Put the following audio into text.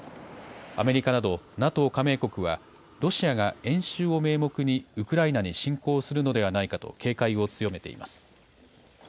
アメリカなどＮＡＴＯ加盟国は、ロシアが演習を名目にウクライナに侵攻するのではないかと警戒を強めています。